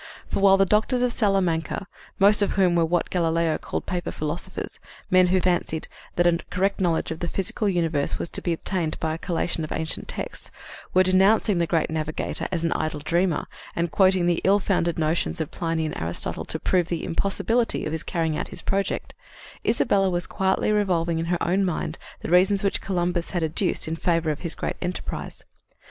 For, while the doctors of Salamanca most of whom were what Galileo called "paper philosophers," men who fancied that a correct knowledge of the physical universe was to be obtained by a collation of ancient texts were denouncing the great navigator as an idle dreamer, and quoting the ill founded notions of Pliny and Aristotle to prove the impossibility of his carrying out his project, Isabella was quietly revolving in her own mind the reasons which Columbus had adduced in favor of his great enterprise.